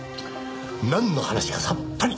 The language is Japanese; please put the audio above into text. なんの話かさっぱり。